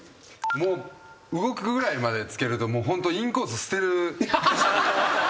動くぐらいまでつけるともうホントインコース捨てる。